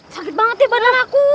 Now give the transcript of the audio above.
sakit banget nih badan aku